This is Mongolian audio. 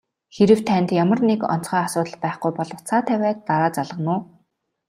Хэрэв танд ямар нэг онцгой асуудал байхгүй бол утсаа тавиад дараа залгана уу?